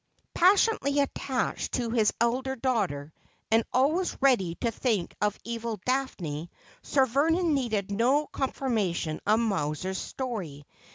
Passionately attached to his elder daughter, and always ready to think evil of Daphne, Sir Vernon needed no confirma tion of Mowser's story.